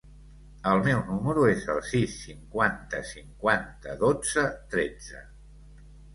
El meu número es el sis, cinquanta, cinquanta, dotze, tretze.